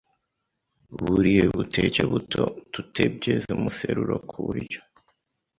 buriye buteke buto tutebyeze umuseruro kuburyo